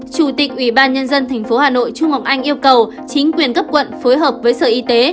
chủ tịch ủy ban nhân dân tp hà nội trung ngọc anh yêu cầu chính quyền cấp quận phối hợp với sở y tế